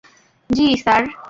জি, sir?